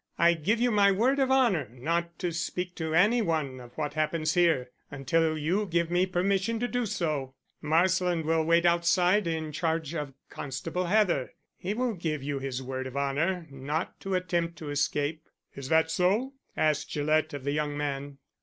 "I give you my word of honour not to speak to any one of what happens here, until you give me permission to do so. Marsland will wait outside in charge of Constable Heather. He will give you his word of honour not to attempt to escape." "Is that so?" asked Gillett of the young man.